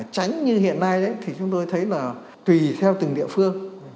tránh như hiện nay đấy thì chúng tôi thấy là tùy theo từng địa phương